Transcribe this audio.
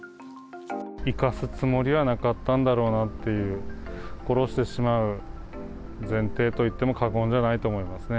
生かすつもりはなかったんだろうなっていう、殺してしまう前提と言っても過言じゃないと思いますね。